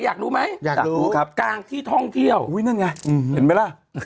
อยากรู้ไหมอยากรู้กลางที่ท่องเที่ยวอุ้ยนั่นไงเห็นไหมล่ะ